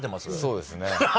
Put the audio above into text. そうですね。